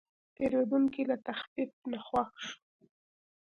پیرودونکی له تخفیف نه خوښ شو.